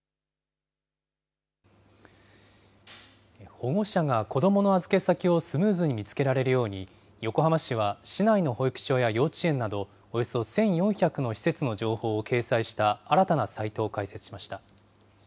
保護者が子どもの預け先をスムーズに見つけられるように、横浜市は市内の保育所や幼稚園などおよそ１４００の施設の情報を掲載した新たなサイトを開設しました。